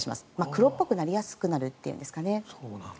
黒っぽくなりやすくなるというんですかね。